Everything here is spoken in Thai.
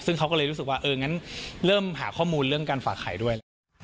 ซึ่งเขาก็เลยรู้สึกว่าเอองั้นเริ่มหาข้อมูลเรื่องการฝากไข่ด้วย